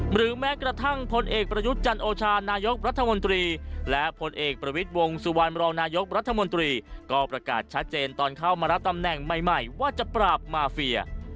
หรือแม้กระทั่งพลเอกประยุทธ์จันโอชานายกรัฐมนตรีและผลเอกประวิทย์วงสุวรรณรองนายกรัฐมนตรีก็ประกาศชัดเจนตอนเข้ามารับตำแหน่งใหม่ว่าจะปราบมาเฟีย